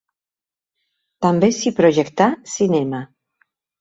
També s'hi projectà cinema.